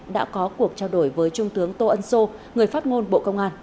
đã có cuộc trao đổi với trung tướng tô ân sô người phát ngôn bộ công an